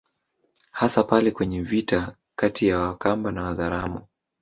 Hasa pale kwenye vita kati ya Wakamba na Wazaramo